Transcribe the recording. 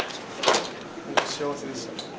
幸せでした。